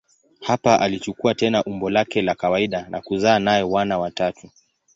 Hapa alichukua tena umbo lake la kawaida na kuzaa naye wana watatu.